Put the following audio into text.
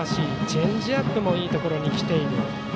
チェンジアップもいいところに来ている。